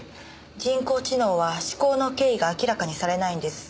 人工知能は思考の経緯が明らかにされないんです。